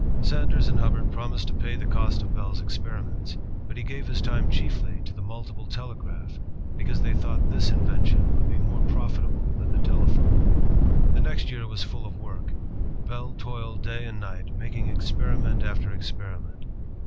Sanders and Hubbard promised to pay the cost of Bell's ei^riments. But he gave his time chiefly to the multiple telegraph, because they thought this in vention would be more profitable than the telephone. The next year was full of work. Bell toiled day and night, making experiment after experiment.